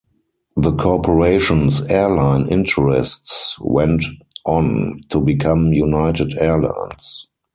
The corporation's airline interests went on to become United Airlines.